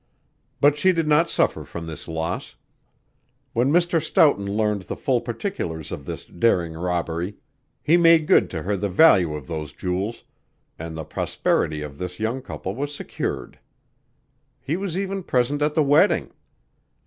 But she did not suffer from this loss. When Mr. Stoughton learned the full particulars of this daring robbery, he made good to her the value of those jewels, and the prosperity of this young couple was secured. He was even present at the wedding.